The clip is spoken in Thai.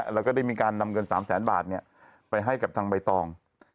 แล้วก็ได้มีการนำเงิน๓แสนบาทไปให้กับทางใบตอง